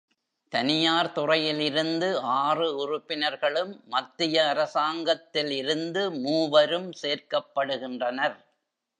தனியார் துறையில் இருந்து ஆறு உறுப்பினர்களும், மத்திய அரசாங்கத்தில் இருந்து மூவரும் சேர்க்கப்படுகின்றனர்.